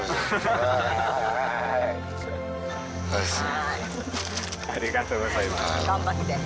ありがとうございます。